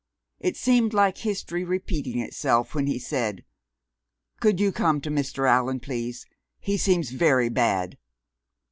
It seemed like history repeating itself when he said: "Could you come to Mr. Allan, please? He seems very bad."